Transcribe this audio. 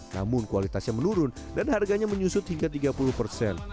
namun kualitasnya menurun dan harganya menyusut hingga tiga puluh persen